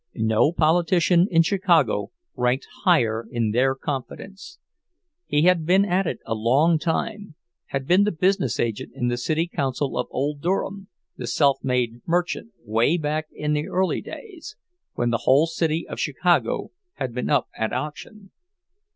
No politician in Chicago ranked higher in their confidence; he had been at it a long time—had been the business agent in the city council of old Durham, the self made merchant, way back in the early days, when the whole city of Chicago had been up at auction.